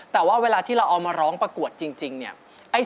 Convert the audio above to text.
แต่ว่าเวลาที่เราเอามาร้องประกวดจริงเนี่ย